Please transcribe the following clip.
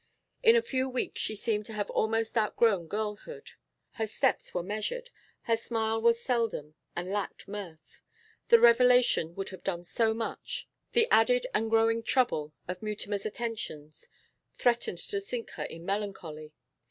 In a few weeks she seemed to have almost outgrown girlhood; her steps were measured, her smile was seldom and lacked mirth. The revelation would have done so much; the added and growing trouble of Mutimer's attentions threatened to sink her in melancholy.